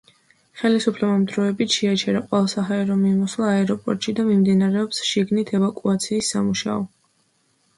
ხელისუფლებამ დროებით შეაჩერა ყველა საჰაერო მიმოსვლა აეროპორტში და მიმდინარეობს შიგნით ევაკუაციის სამუშაო.